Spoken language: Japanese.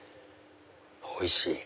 おいしい！